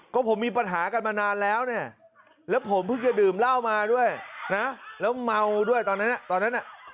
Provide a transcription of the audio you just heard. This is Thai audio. ก็ผมมีปัญหากันมานานแล้วเนี่ยแล้วผมเพิ่งจะดื่มเหล้ามาด้วยนะแล้วเมาด้วยตอนนั้นตอนนั้นน่ะ